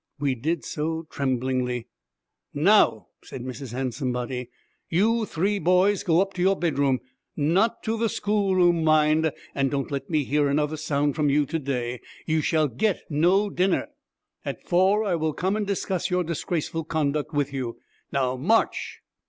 We did so tremblingly. 'Now,' said Mrs. Handsomebody, 'you three boys go up to your bedroom not to the schoolroom, mind and don't let me hear another sound from you to day! You shall get no dinner. At four I will come and discuss your disgraceful conduct with you. Now march!'